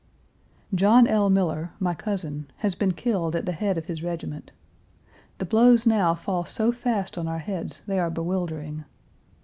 John L. Miller, my cousin, has been killed at the head of his regiment. The blows now fall so fast on our heads they are bewildering.